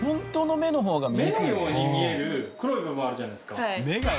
目のように見える黒い部分あるじゃないですか。